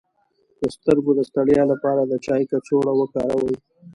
د سترګو د ستړیا لپاره د چای کڅوړه وکاروئ